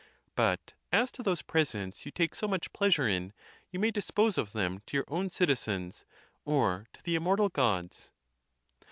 But as to those presents you take so much pleasure in, you may dispose of them to your own citizens, or to the immortal Gods."